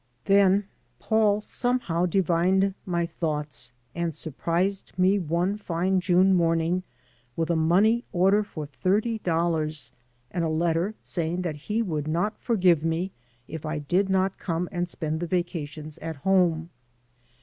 Then Paul somehow divined my thoughts and sur prised me one fine June morning with a money order for thirty dollars and a letter saying that he would not forgive me if I did not come and spend the vacations 257 AN AMERICAN IN THE MAKING at home.